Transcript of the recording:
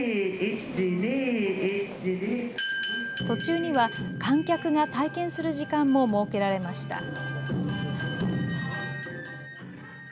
途中には、観客が体験する時間も設けられました。